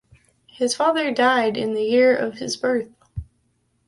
His father died in the year of his birth.